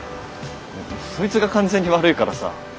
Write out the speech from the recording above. そいつが完全に悪いからさ。